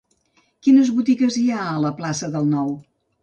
Quines botigues hi ha a la plaça del Nou?